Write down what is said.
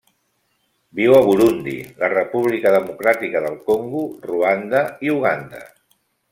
Viu a Burundi, la República Democràtica del Congo, Ruanda i Uganda.